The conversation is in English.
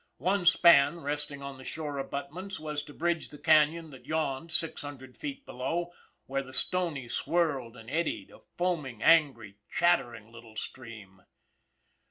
One span, resting on the shore abutments, was to bridge the canon that yawned six hundred feet below, where the Stony swirled and eddied, a foaming, angry, chattering, little stream.